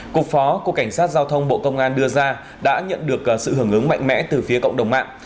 cục phó cục cảnh sát giao thông bộ công an đưa ra đã nhận được sự hưởng ứng mạnh mẽ từ phía cộng đồng mạng